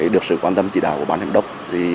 được sự quan tâm chỉ đạo của bán hành động